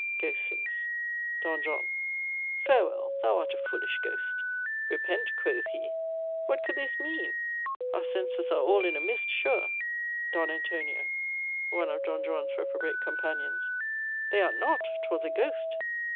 (Ghost sinks.) "D. JOHN. Farewell, thou art a foolish ghost. Repent, quoth he! what could this mean? Our senses are all in a mist sure. "D. ANTONIO. (one of D. Juan's reprobate companions.) They are not! 'Twas a ghost.